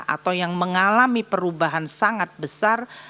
atau yang mengalami perubahan sangat besar